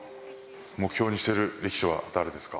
目標にしている力士は誰ですか？